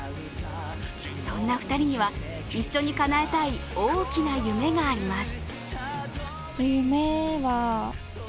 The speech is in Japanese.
そんな２人には一緒にかなえたい大きな夢があります。